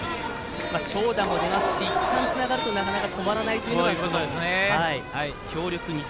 長打も出ますしいったんつながるとなかなか止まらないと。